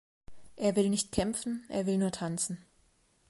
Er will nicht kämpfen, er will nur tanzen.